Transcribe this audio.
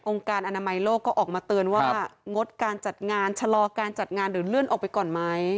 การอนามัยโลกก็ออกมาเตือนว่างดการจัดงานชะลอการจัดงานหรือเลื่อนออกไปก่อนไหม